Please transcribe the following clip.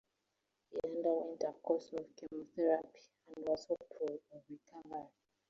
He underwent a course of chemotherapy and was hopeful of a recovery.